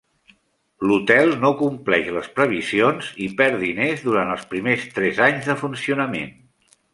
L'hotel no compleix les previsions i perd diners durant els primers tres anys de funcionament.